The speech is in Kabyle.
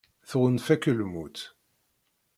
Tɣunfa-k lmut.